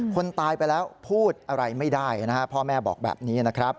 คนตายไปแล้วพูดอะไรไม่ได้นะฮะพ่อแม่บอกแบบนี้นะครับ